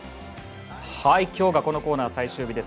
今日がこのコーナー最終日です。